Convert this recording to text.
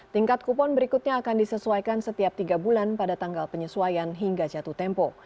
tingkat kupon berikutnya akan disesuaikan setiap tiga bulan pada tanggal penyesuaian hingga jatuh tempo